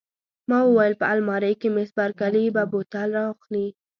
ما وویل: په المارۍ کې، مس بارکلي به بوتل را واخلي.